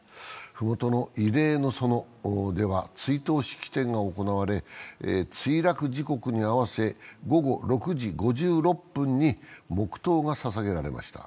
ふもとの慰霊の園では追悼式典が行われ墜落時刻に合わせ、午後６時５６分に黙とうがささげられました。